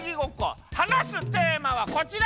はなすテーマはこちら。